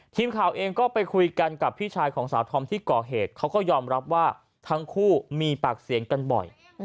ทีมข่าวเองก็ไปคุยกันกับพี่ชายของสาวธอมที่ก่อเหตุเขาก็ยอมรับว่าทั้งคู่มีปากเสียงกันบ่อย